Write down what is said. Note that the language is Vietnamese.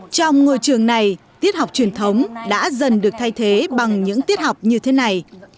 trong ngôi trường này tiết học truyền thống đã dần được thay thế bằng những tiết học như thế này